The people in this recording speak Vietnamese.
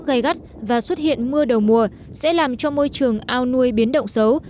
gây gắt và xuất hiện mưa đầu mùa sẽ làm cho môi trường ao nuôi biến động xấu